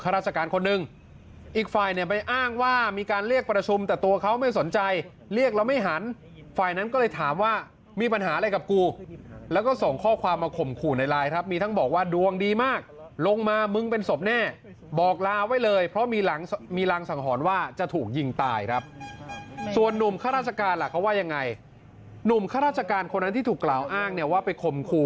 เรียกประชุมแต่ตัวเขาไม่สนใจเรียกแล้วไม่หันฝ่ายนั้นก็เลยถามว่ามีปัญหาอะไรกับกูแล้วก็ส่งข้อความมาข่มขู่ในไลน์ครับมีทั้งบอกว่าดวงดีมากลงมามึงเป็นศพแน่บอกลาไว้เลยเพราะมีหลังสังหรณ์ว่าจะถูกยิงตายครับส่วนนุ่มค่าราชการเขาว่ายังไงนุ่มค่าราชการคนนั้นที่ถูกกล่าวอ้างว่าไปข่มขู่